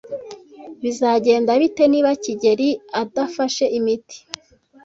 Bizagenda bite niba kigeli adafashe imiti?